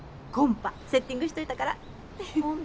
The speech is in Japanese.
コンパセッティングしといたから。